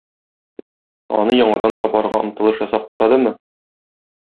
Аны яңадан табарга омтылыш ясап карадымы?